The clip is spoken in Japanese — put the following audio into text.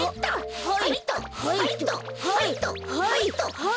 はい。